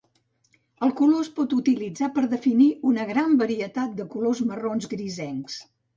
El color es pot utilitzar per definir una gran varietat de colors marrons grisencs.